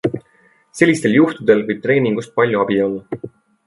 Sellistel juhtudel võib treeningust palju abi olla.